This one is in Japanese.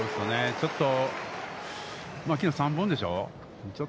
ちょっとまあきのう３本でしょう。